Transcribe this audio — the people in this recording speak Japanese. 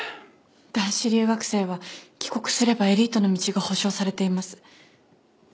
男子留学生は帰国すればエリートの道が保証されています。